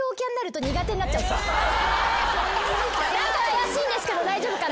何か怪しいんですけど大丈夫かな？